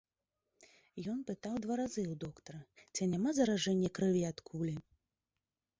Ён пытаў два разы ў доктара, ці няма заражэння крыві ад кулі.